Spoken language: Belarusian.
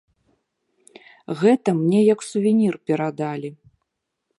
Гэта мне як сувенір перадалі.